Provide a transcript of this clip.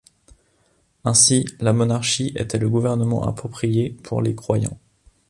Ainsi, la monarchie était le gouvernement approprié pour les croyants.